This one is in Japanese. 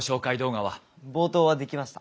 冒頭は出来ました。